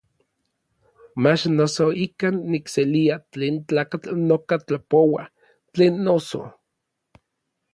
Mach noso ikan nikselia tlen tlakatl noka tlapoua; tlen noso.